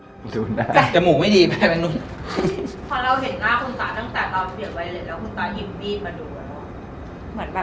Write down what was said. ดูก่อนฟังจมูกไม่ดีแทบอย่างนู้น